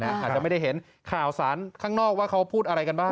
อาจจะไม่ได้เห็นข่าวสารข้างนอกว่าเขาพูดอะไรกันบ้าง